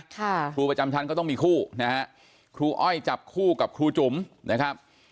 ครูประจำชั้นก็ต้องมีคู่นะฮะครูอ้อยจับคู่กับครูจุ๋มนะครับ